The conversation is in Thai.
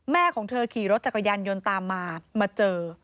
ของเธอขี่รถจักรยานยนต์ตามมามาเจอ